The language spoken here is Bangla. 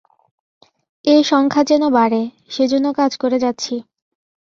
এ সংখ্যা যেন বাড়ে, সে জন্য কাজ করে যাচ্ছি।